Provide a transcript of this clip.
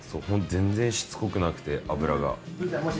全然しつこくなくて、脂が。